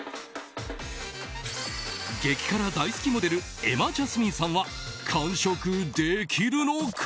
激辛大好きモデル瑛茉ジャスミンさんは完食できるのか。